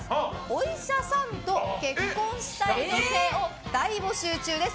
お医者さんと結婚したい女性を大募集中です。